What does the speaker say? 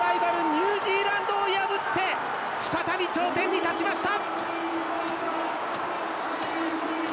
ニュージーランドを破って再び頂点に立ちました！